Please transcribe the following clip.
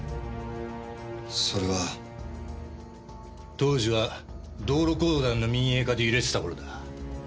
当時は道路公団の民営化で揺れてた頃だ。